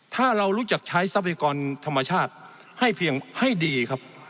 ถ้าเรารู้จักใช้ทรัพยากรธรรมชาติให้เพียงให้ดีครับ